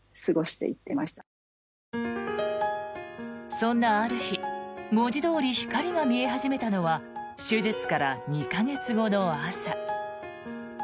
そんなある日文字どおり光が見え始めたのは手術から２か月後の朝。